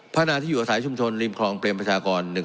พัฒนาที่อยู่อาศัยชุมชนริมคลองเปรมประชากร